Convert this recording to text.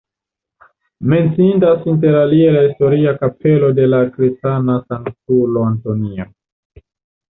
Menciindas inter alie la historia kapelo de la kristana sanktulo Antonio.